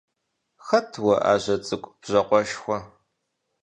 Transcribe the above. Ухэт уэ, ажэ цӀыкӀу бжьакъуэшхуэ?